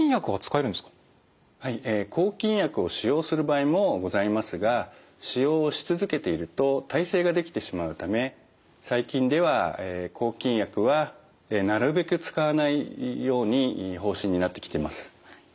え抗菌薬を使用する場合もございますが使用をし続けていると耐性ができてしまうため最近では抗菌薬はなるべく使わないように方針になってきてます。